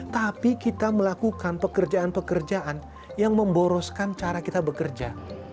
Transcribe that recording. tapi kita melakukan pekerjaan pekerjaan yang memboroskan cara kita bekerja